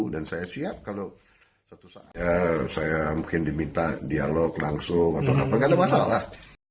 dan saya siap kalau satu saat saya mungkin diminta dialog langsung atau apa nggak ada masalah